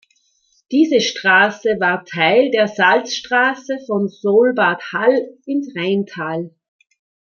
Diese Straße war Teil der Salzstraße von Solbad Hall ins Rheintal.